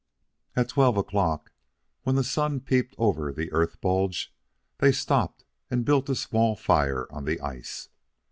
At twelve o'clock, when the sun peeped over the earth bulge, they stopped and built a small fire on the ice.